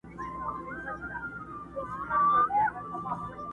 مثنوي کي دا کیسه مي ده لوستلې٫